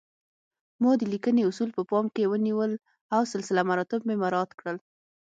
ما د لیکنې اصول په پام کې ونیول او سلسله مراتب مې مراعات کړل